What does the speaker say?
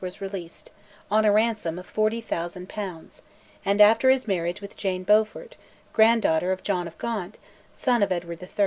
was released, on a ransom of 40,000 pounds, and after his marriage with Jane Beaufort, grand daughter of John of Gaunt, son of Edward III.